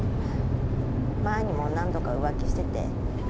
前にも何度か浮気してて。